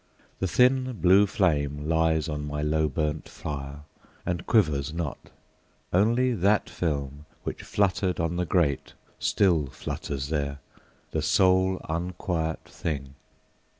the thin blue flame Lies on my low burnt fire, and quivers not; Only that film, which fluttered on the grate, Still flutters there, the sole unquiet thing.